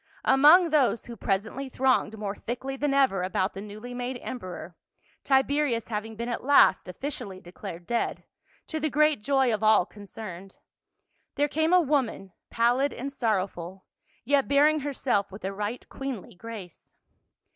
Among those who presently thronged more thickly than ever about the newly made emperor — Tiberius having been at last officially declared dead, to the great joy of all concerned — there came a woman, pal lid and sorrowful, yet bearing herself with a right queenly grace.